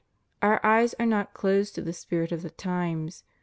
Our eyes are not closed to the spirit of the times.